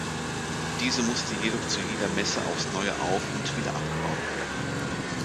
Diese musste jedoch zu jeder Messe aufs Neue auf- und wieder abgebaut werden.